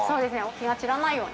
気が散らないように。